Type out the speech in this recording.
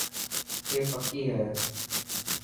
اي پکي هي.